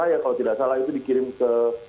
ya kalau tidak salah itu dikirim ke